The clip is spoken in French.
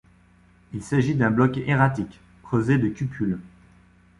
Il s'agit d'un bloc erratique, creusé de cupules.